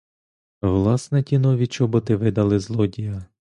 Власне ті нові чоботи видали злодія.